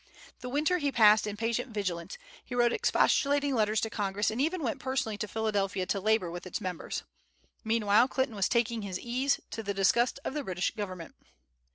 The winter he passed in patient vigilance; he wrote expostulating letters to Congress, and even went personally to Philadelphia to labor with its members. Meanwhile Clinton was taking his ease, to the disgust of the British government.